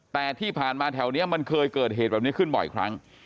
แต่ที่ผ่านมาแถวนี้มันเคยเกิดเหตุแบบนี้ขึ้นบ่อยครั้ง